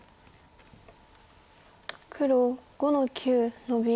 黒５の九ノビ。